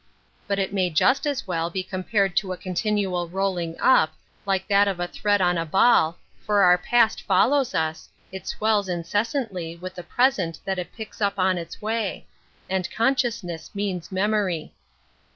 But it may just as well be compared to a continual rolling np, like that of a thread on a ball, for our past follows us, it swells incessantly with the, present that it picks up on ils way; ai consciousness means memory.